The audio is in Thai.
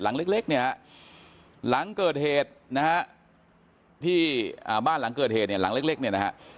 หลังเล็กเนี่ยฮะหลังเกิดเหตุนะฮะที่บ้านหลังเกิดเหตุเนี่ยหลังเล็กเนี่ยนะฮะ